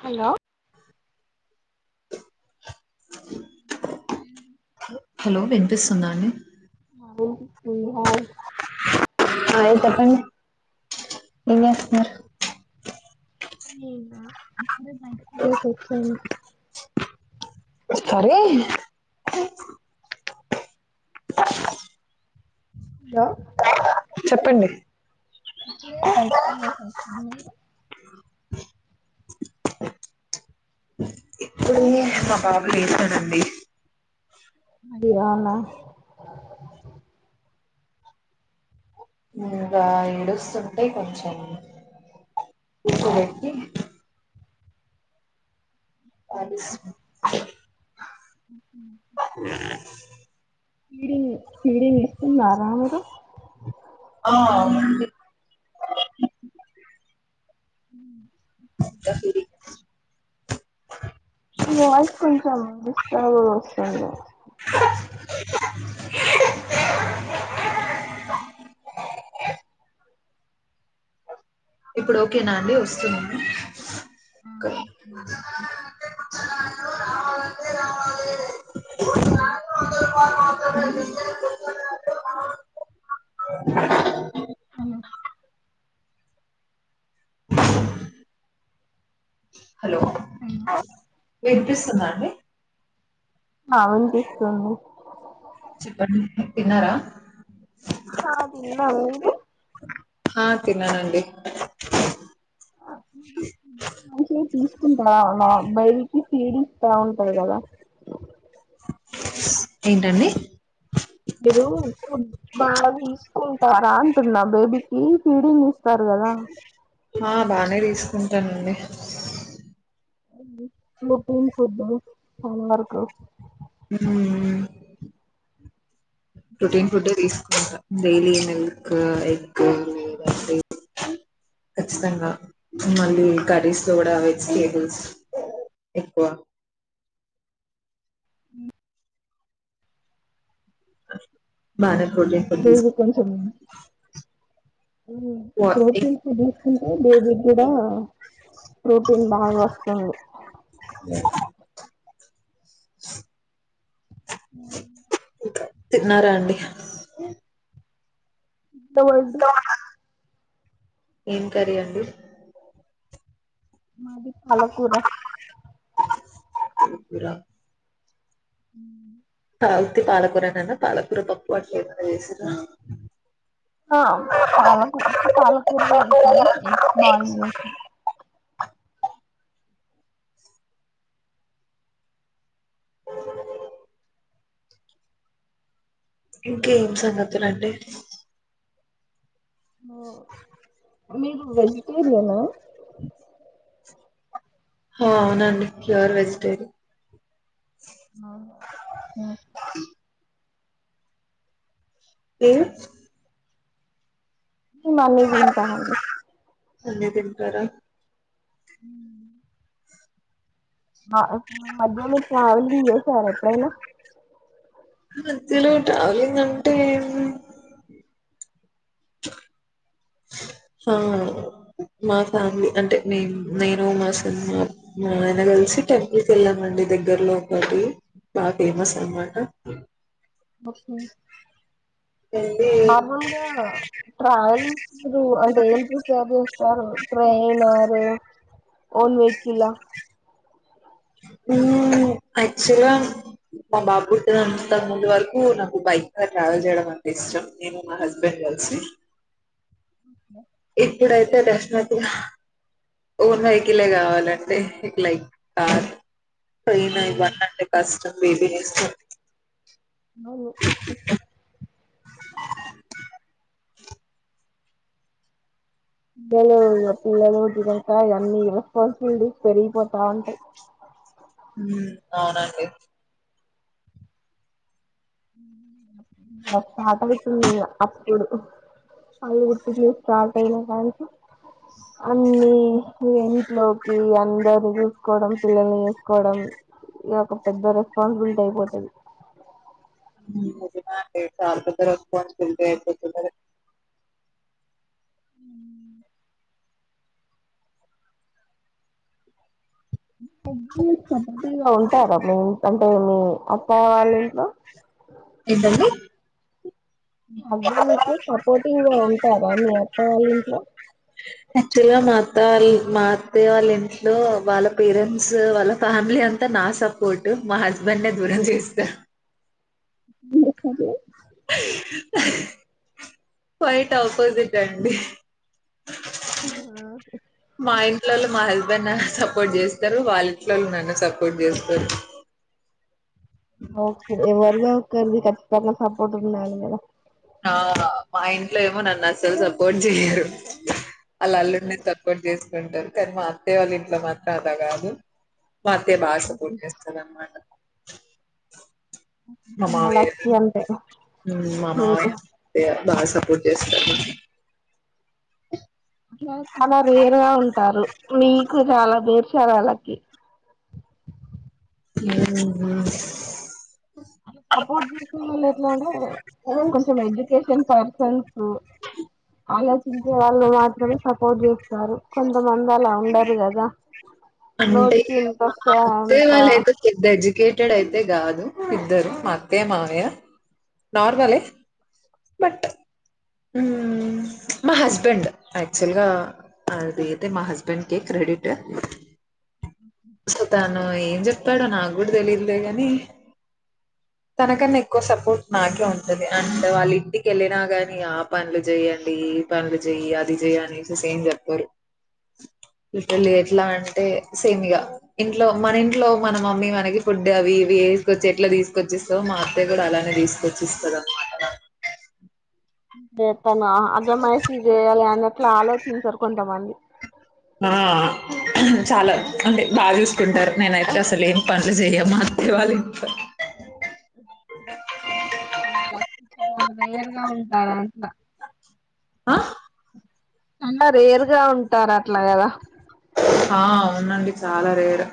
Hello అవు hello వినిపిస్తుందా అండి అండి హాయ్ హాయ్ చెప్పండి ఏం చేస్తున్నారు నేనా ఇప్పుడే బయటి నుండీ [unintelligible] వచ్చాను సరే.... హలో చెప్పండి ఇప్పుడే బయటికి వెళ్లేసి వచ్చిన [unintelligible] మా బాబు లేస్తాడండి అది అవునా ఇంకా ఏడుస్తుంటే కొంచెం ఎక్కువేక్కి ఆ థిస్ ఉహు [unintelligible] ఫీడింగ్ ఫీడింగ్ ఇస్తున్నారా మీరు ఆ అవునండి ఉ [unintelligible] మీ వాయిస్ కొంచెం డిస్టర్బ్ గా వస్తుంది ఇప్పుడు ఓకే నా అండి వస్తుందా అండి హ మ్యాంగో [unintelligible] హలో హలో అవునా వినిపిస్తుందా అండి ఆ వినిపిస్తుంది చెప్పండి తిన్నారా హా తిన్నాం మీరు హా తీన్నానండి మంచివి తీసుకుంటవ మా అబ్బాయి కి ఫీడ్ ఇస్తా ఉంటది కదా కుహు ఏంటండి మీరు బాగా తీసుకుంటారా అంటున్న బేబీకి ఫీడింగ్ ఇస్తారు కదా కదా ఆ బానే తీసుకుంటానండి ప్రోటీన్ ఫుడ్ హోం వర్క్ మ్... ప్రొటీన్ ఫుడ్ ఎ తీసుకుంటా డైలీ మిల్క్ ఎగ్ ఖచ్చితంగా మళ్ళీ కర్రీస్ లో కూడా వెజిటేబుల్స్ ఎక్కువ అ మ్ బానే ప్రోటీన్ ఫుడ్ తీస్ డైలీ కొంచెం వ ఎగ్ ప్రోటీన్ ఫుడ్ అంటే బేబీ కి గూడా ప్రోటీన్ బాగా వస్తుంది ఛీక్ ఛీక్ మ్ తిన్నారా అండి నో అండి ఏం కర్రీ అండి మాది పాలకూర కూరా ఉ ఉత్తి పాలకూరననేనా పాలకూర పప్పు అట్ల ఎమన్నా చేసిళ్ల ఆ పాలకు పాలకూర చేసాను ఎగ్స్ బాయిల్ చేసాను బ బ ఇంకేం సంగతులండి ఉమ్ మీరు వెజిటేరియనా అ హ అవునండి ప్యూర్ వెజిటేరియన్ అవును ఉమ్ ఉమ్ కిందకు పోయి తింటామండి అన్ని తింటారా హ్మ్మ్ మ మధ్యాహ్నం ట్రావెలింగ్ చేశారా ఎప్పుడైనా ఇందులో ట్రావెలింగ్ అంటే ఏమి సోమవారం మా ఫ్యామిలీ అంటే మే నేను మా సెల్లె మా ఆయన కలిసి టెంపుల్ కి వెళ్ళామండి దగ్గర్లో ఒకటి బాగా ఫేమస్ అనమాట [unintelligible] వెళ్ళి నార్మూల్గా ట్రావెలింగ్ ఏం చూశారు సారు ట్రైన్ ఆర్ ఓన్ వెహికలా ఉమ్ యాక్చువల్ గా మా బాబు పుట్టనంత ముందు వరకు నాకు బైక్ మీద ట్రావెల్ చేయడం అంత ఇష్టం నేను మా హస్బెండ్ ఐ సి ఇప్పుడ ఎలక్షన్ అప్పుడు ఓన్ వైకిలే కావాలండి ఇ లైక్ కార్ ట్రయిన్ ఇవ్వన్డి అంటే కష్టం బేబీనిస్తుంది [unintelligible] [unintelligible] పల్స్ చూడు పెరిగిపోతా ఉంటాయి హ్మ్మ్ అవునండి భర్త [unintelligible] అప్పుడు అది కుటి స్టార్ అయిన కా అన్ని ఇంక ఇంట్లోకి అందర్నీ చూసుకోవడం పిల్లల్ని చూసుకోవడం ఇ ఒక పెద్ద రెస్పాన్సిబిలిటీ అయిపోతది మా చాల ఉంటారు మీ అంటే మీ పోవాలి ఇంట్లో ఏంటండి హబ్బా మీీకు సపోర్టింగ్ గా ఉంటారా మీ అత్తవాళ్ళఇంట్లో యాక్చువల్ గా మా అత్త వాళ్ళ ఇంట్లో వాళ్ళ పేరెంట్స్ వాళ్ళ ఫ్యామిలీ అంతా నా సపోర్ట్ మా హస్బెండ్నే దూరం చేసే సారు మ [unintelligible] బయట ఆపోజిట్ అండి మా ఇంట్లలో మాహ నా సపోర్ట్ చేస్తారు వాళ్ళ ఇంట్లోళ్ళు నాన్ను సపోర్ట్ చేస్తారు ఓక ఎవరిదో ఉక్కరుది ఖచ్చితంగా సపోట్ ఉండాలి కదా ఆ మా ఇంట్లో ఏమో నన్ను అస్సలు సపోర్ట్ చెయ్యరు వాళ్ళ అల్లుడిని సపోర్ట్ చేసుకుంటారు కానీ మా అత్తయ్య వాళ్ళ ఇంట్లో మాత్రం అలా కాదు మా అత్తయ్య బాగా సపోర్ట్ చేస్తదన్న మాట మా చాలా మామయ్య లక్కీ అంతే ఉమ్ మీరు మామయ్య ఇక బాగా సపోర్ట్ చేస్తారు అంటే వాళ్ళు వేరుగా ఉంటారు మీకు నాలా బేర్ష వాళ్ళకి మ్మ్ హ్హ్ అ సపోర్ట్ చేసే వాళ్ళు ఎట్లాంటే ఎ కొంచెం ఎడ్యుకేషన్ పర్సన్స్ అలోచించే వాళ్ళు మాత్రమే సపోర్ట్ చేస్తారు కొంతమంది అలా ఉండరు కదా అంటే నోటికి ఎంత మా వస్తే అత్తయ్య అంత వాళ్ళయితే పెద్ద ఎడ్యుకేటెడ్ అయితే కాదు ఇద్దరు మా అత్తయ్య మావయ్య నార్మలే బట్ హ్మ్మ్ మా హస్బెండ్ యాక్చువల్ గా అది అయితే మా హస్బెం టెన్ కి క్రెడిట్ అయితే చెప్తాను ఏం చెప్త తాడు నాకు కూడా తెలియదులే కాని తనకన్నా ఎక్కువ సపోర్ట్ నాకే ఉంటుంది ఓకే అనుకోవాలి ఏంటి కెళ్ళినా గాని ఆ పనులు చెయ్యండి ఈ పనులు చెయ్యి అది చెయ్యి అనేసి ఏం చెప్పరు ఇటలీ ఎట్లా అంటే సేమ్ ఇగ ఇంట్లో మన ఇంట్లో మన మమ్మీ మనకి ఫుడ్ అవి ఇవి వేసుకొచ్చి ఎట్లా తీసుకొచ్చి ఇస్తాదో మా అత్తయ్య కూడా అలానే తీసుకొచ్చి ఇస్తారా మ్ తను ఆ అజమైషి చేయాలా అన్నట్లు ఆలోచించరు కొంతమంది మ్మా అ చాలా అంటే బాగా చూసుకుంటారు నేనైతే అసలు ఏం పనులు చేయ మా అత్త వాళ్ళ ఇంట్లో అ తన లైఫ్ లో వేరుగా ఉంటారంట హా ఉండరు వేరుగా ఉంటారు అట్లాగదా ఆ అవునండి చాలా రేరు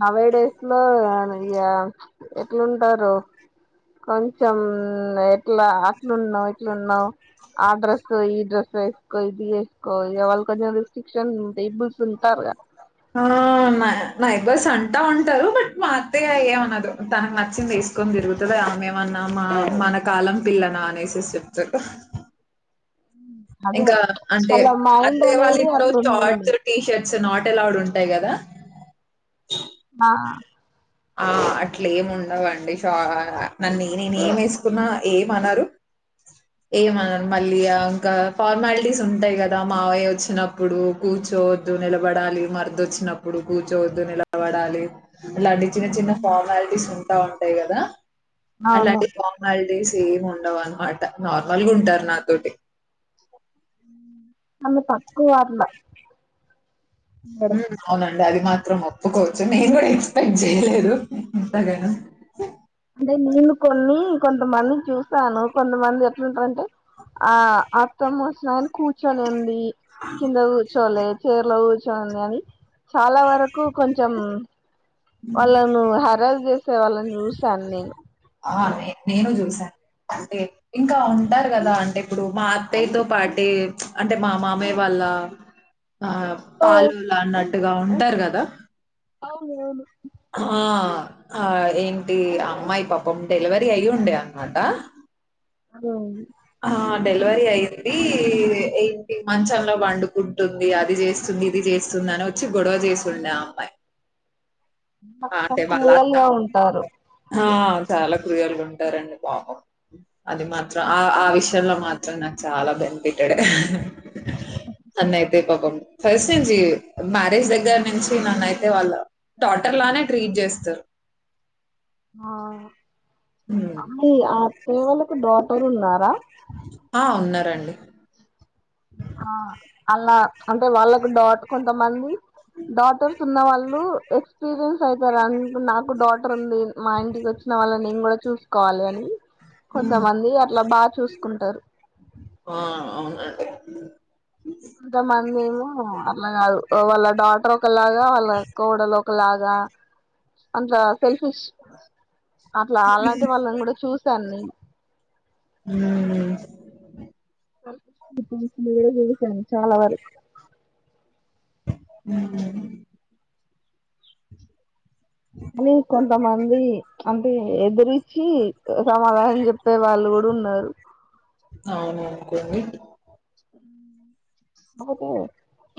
నన్ను కూడా చూస్తున్నావ్ గా ఇగ ఎట్లుంటారో కొంచెం ఎట్లా అట్లున్నావు ఇట్లున్నావు ఆ డ్రెస్ ఈ డ్రెస్ వేసుకో ఇది వేసుకో ఇగ వాళ్లు కొద్దిగా రిస్ట్రిక్షన్ పీపుల్స్ ఉంటారుగా ఆ నానైట్ డ్రెస్ అంటా ఉంటవ్ బట్ మా అత్తయ్య ఏమనదు తనకు నచ్చింది ఏసు కొని తిరుగుతదా ఆమెమన్నా మా మన కాలం పిల్లనా అనేసి చెప్తరు అదే ఇంకా అంటే వాళ్ళ మైండ్ అత్తయ్య వాళ్ళ అనేది ఇంట్లో అట్లా ఉంటుంది షార్ట్స్ టీషర్ట్స్ నాట్ ఎలోడ్ ఉంటాయి కదా ఆ ఆ అట్ల ఏమి ఉండవండి సొ నేను ఏం వేసుకున్నా ఏమనరు ఏమను మళ్ళీ ఆ ఇంకా ఫార్మాలిటీస్ ఉంటాయి గదా మావయ్య వొచ్చినప్పుడు కూ. కూర్చోవద్దు నిలబడాలి మర్థి వచ్చినప్పుడు కూర్చోద్దు నిలబడాలి ఇలాంటి చిన్న చిన్న ఫార్మాలిటీస్ ఉంటుంటాయి కదా అవును అలాంటి ఫార్మాలిటీస్ ఏమ్ ఉండవన్నా మాట నార్మల్గా ఉంటారు నాతోటి ఆమె తక్కువ అట్ల మ్మ్ అలాగే అంటే అది మాత్రం ఒప్పుకోవచ్చు సరేనా అంటే నేను కొన్ని కొంతమంది చూసాను కొంతమంది ఎట్లుంటారంటే ఆ అత్తమ్మ వొచ్చిన గానీ కూర్చొని ఉండి కింద కూర్చోవాలి చైర్లో కూర్చోండి అని చాలా వరకు కొంచెం కొంచెం వాళ్ళను హరాస్ చేసే వాళ్ళని చూశాను నేను ఆ నేను చూశాను అంటే ఇంకా ఉంటారు కదా అంటే ఇప్పుడు మా అత్తాయ్యతో పాటే ప్చ్ అంటే మా మామయ్య వాళ్ల లా ఆ ఓ పాలోళ్ళు అన్నట్టుగా ఉంటారు గాదా అవునవును ఆ ఆ ఏంటి అమ్మాయి పాపం డెలివరీ అయ్యి ఉండే అన్నామాట మ్మ్ డెలివరీ అయ్యింది ఏంటి మంచంలో పండుకుంటుంది అది చేస్తుంది ఇది చేస్తుంది న్నా వచ్చి గొడవ చేస్తుండే ఆ అమ్మాయి ఆ! అంటే [unintelligible] వాళ్ళ రియల్ అత్త. గా ఉంటారు ఆ! చాలా కృయల్ గా ఉంటారండి పాప అది మ ఆ ఆ విషయంలో మాత్రం నాకు చాలా బెనిపట్టాడే అన్నయితే ఓ ఓ ఫస్ట్ నుంచి మ్యారేజ్ దగ్గర నుంచి నన్ను అయితే వాళ్ళ డాటర్ లానే ట్రీట్ చేస్తారు ఆ హ్మ్. అయి అత్తయ్య వాళ్లకు డోటర్ ఉన్నారా ఆ ఉన్నారండి ఆ అలా అంటే వాళ్ళకు డౌట్ కొంతమంది డాటర్స్ ఉన్న వాళ్ళు ఎక్స్పీరియన్స్ అయితరు అ నాకు డాటర్ ఉంది మా ఇంటికి వచ్చి వాళ్ళ నేను కూడా చూసుకోవాలి అని కొంతమంది అట్లా బాగా చూసుకుంటారు ఆ! అవునండి. అంతమంది ఏమో అట్లా కాదు వాళ్ళ డాటర్ ఒకలాగా వాళ్ళ కోడలు లాగా అంత అట్ సెల్ఫిష్ అట్లా అలాంటి వాళ్ళని కూడా చూశాను నేను ఉ కూడా చూశాను చాలా వరకు ఉ అని కొంతమంది అంటే ఎదురిచ్చి సమాధానం చెప్పే వాళ్ళు కూడా ఉన్నారు అవును అనుకోండి [unintelligible]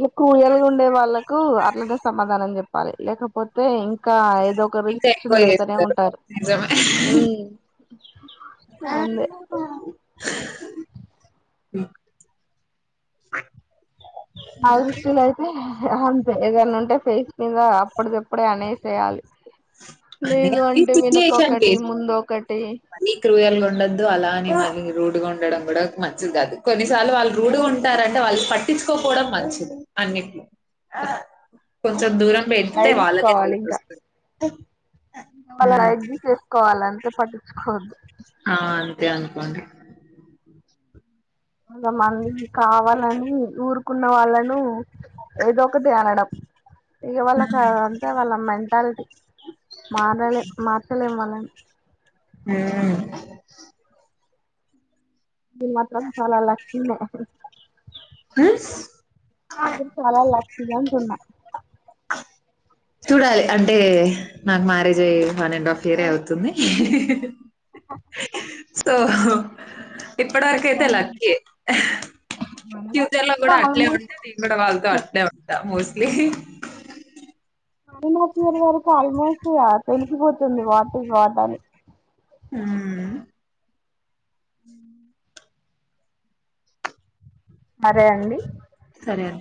ఇ క్రూయల్ గా ఉండే వాళ్ళకు అట్లానే సమాధానం చెప్పాలి లేకపోతే ఇంకా ఇకా ఏదో ఒక ఇంకా ఎక్కువ రిస్ట్రిక్షన్ పెడతనే జేస్తారు. ఉంటారు ఉ ఆ ర్ నా దృష్టిలో అయితే అంతే ఎదన్నా ఉంటే ఫేస్ మీద అప్పటిప్పుడే అనేసేయాలి అన్నీ లేదు అంటే వెనుక ఒకటి ముందు ఒకటి మళ్ళీ క్రూయల్గా ఉండదు అలా ని రూడ్ ఉండడం కూడా మంచిది కాదు కొన్నిసార్లు వాళ్ళు రూడు గా ఉంటారంటే వాళ్ళు పట్టించుకోపోవడం మంచిది అ కొంచెం దూరం పెడితే వాళ్ళకే తేలుస్తుంది వాళ్ళని లైట్ తీసేసుకోవాలి అంతే పట్టించుకోవద్దు అ అంతే అనుకోండి కొంత మంది కావాలని ఊరుకున్న వాళ్ళను ఏదో ఒకటి అనడం ఇక వాళ్ళ కా అంతే వాళ్ళ మెంటాలిటీ మారలే మార్చలేము మనం ఉ ఇది మాత్రం చాలా లక్కీ నే స్ మీర్ చాలా లక్కీ అంటున్న చూడాలి అంటే నాకు మ్యారేజ్ అయి వన్ అండ్ హాఫ్ ఇయర్ అ అవుతుంది ఇ హ క్ సో ఇప్పటివరకు అయితే లక్కీ వన్ లాక్ ఫుచర్లో ఇయర్ లో కూడా అట్లే ఆల్మోస్ట్ ఉంటే నేను కూడా వాళతో అట్లే ఉంటా మోస్ట్ మోస్ట్లీ అరినర్ వరకు ఆల్మోస్ట్ తెలికిపోతుంది వాట్ ఇస్ వాట్ అని ఉమ్ మ మరే అండి సరే అ